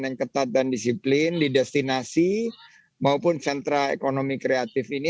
yang ketat dan disiplin di destinasi maupun sentra ekonomi kreatif ini